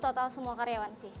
dua puluh total semua karyawan sih